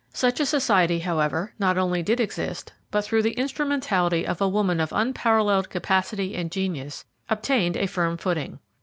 Such a society, however, not only did exist, but through the instrumentality of a woman of unparalleled capacity and genius, obtained a firm footing.